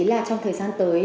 là trong thời gian tới